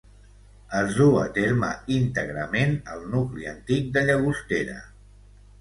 Es duu a terme íntegrament al nucli antic de Llagostera.